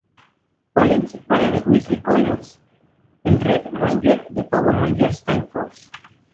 Collins, padre de Wesley Collins, el Red Ranger de "Power Rangers Time Force".